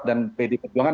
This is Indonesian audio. dan pd perjuangan